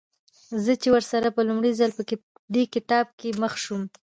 چې زه ورسره په لومړي ځل په دې کتاب کې مخ شوم.